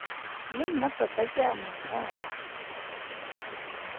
Le nna tota ke a mo tshaba.